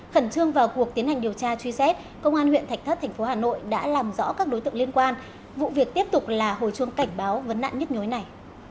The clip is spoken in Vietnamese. khẩn trương vào cuộc tiến hành điều tra truy xét công an huyện thạch thất tp hà nội đã làm rõ các đối tượng liên quan vụ việc tiếp tục là hồi chuông cảnh báo vấn nạn nhất nhối này